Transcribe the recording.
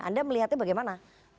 anda melihatnya bagaimana